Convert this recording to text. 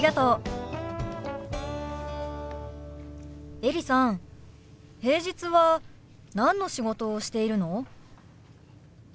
エリさん平日は何の仕事をしているの？